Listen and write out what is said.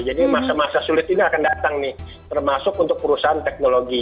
jadi masa masa sulit ini akan datang nih termasuk untuk perusahaan teknologi